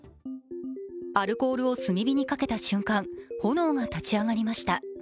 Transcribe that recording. アルコールを炭火にかけた瞬間炎が立ち上がりました。